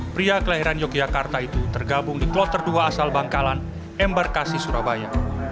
pria kelahiran yogyakarta itu tergabung di kloter dua asal bangkalan embarkasi surabaya